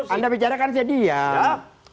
anda bicarakan saya diam